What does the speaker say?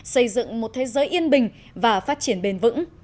xây dựng một thế giới yên bình và phát triển bền vững